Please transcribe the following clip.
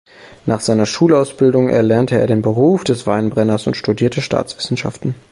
Nach seiner Schulausbildung erlernte er den Beruf des Weinbrenners und studierte Staatswissenschaften.